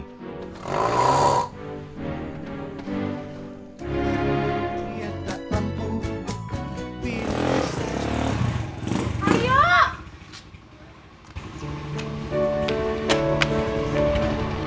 kayaknya dia gak mampu